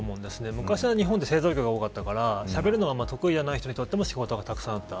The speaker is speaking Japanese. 昔は日本は製造業が多かったからしゃべるのが得意でない人にも仕事がたくさんあった。